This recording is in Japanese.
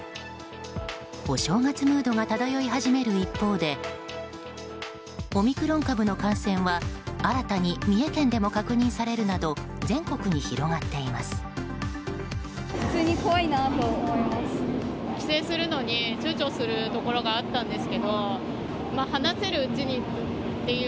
お正月ムードが漂い始める一方でオミクロン株の感染は新たに三重県でも確認されるなど全国に広がっています。